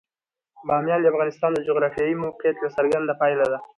بامیان د افغانستان د جغرافیایي موقیعت یوه څرګنده پایله ده.